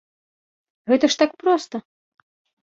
Гэта ж так проста.